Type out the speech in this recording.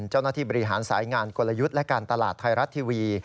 เจ้าหน้าที่บริหารสายงานกลยุทธ์และการตลาดไทยรัฐทีวี